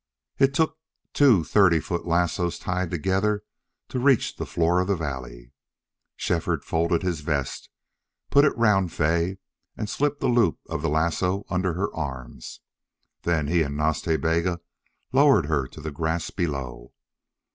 It took two thirty foot lassos tied together to reach the floor of the valley. Shefford folded his vest, put it round Fay, and slipped a loop of the lasso under her arms. Then he and Nas Ta Bega lowered her to the grass below.